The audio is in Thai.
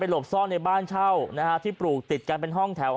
หลบซ่อนในบ้านเช่านะฮะที่ปลูกติดกันเป็นห้องแถว